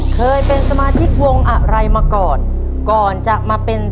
ก่อนจะมาเป็น